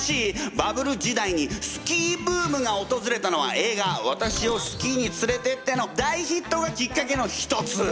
バブル時代にスキーブームが訪れたのは映画「私をスキーに連れてって」の大ヒットがきっかけの一つ！